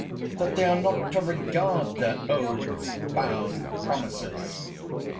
—That they are not to regard their oaths, vows, promises?